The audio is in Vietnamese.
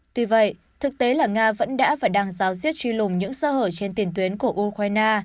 tuy vậy thực tế là nga vẫn đã và đang giáo diết truy lùng những sơ hở trên tiền tuyến của ukraine